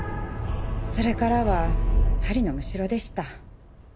それからは針のむしろでした。